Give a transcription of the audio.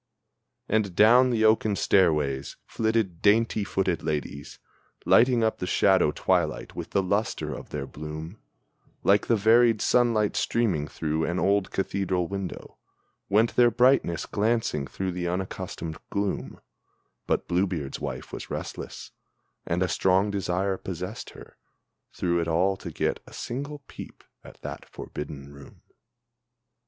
Up and down the oaken stairways flitted dainty footed ladies, Lighting up the shadowy twilight with the lustre of their bloom; Like the varied sunlight streaming through an old cathedral window Went their brightness glancing through the unaccustomed gloom, But Blue beard's wife was restless, and a strong desire possessed her Through it all to get a single peep at that forbidden room.